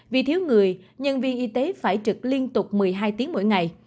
vì thiếu người nhân viên y tế phải trực liên tục một mươi hai tiếng mỗi ngày